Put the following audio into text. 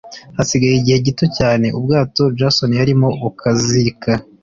hasigaye igihe gito cyane ubwato jason yarimo bukazika